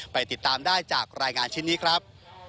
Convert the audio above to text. ไปติดตามได้จากรายงานชิ้นนี้ครับ